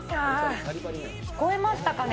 聞こえましたかね？